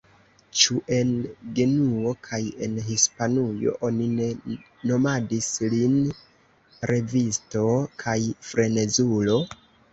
Ĉu en Genuo kaj en Hispanujo oni ne nomadis lin revisto kaj frenezulo?